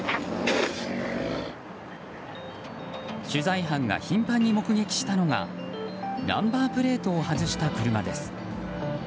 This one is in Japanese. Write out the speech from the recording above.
取材班が頻繁に目撃したのがナンバープレートを外した車です。